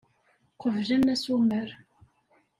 Qeblen asumer.